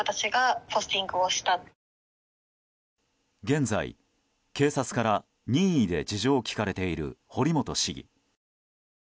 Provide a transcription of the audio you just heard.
現在、警察から任意で事情を聴かれている堀本市議。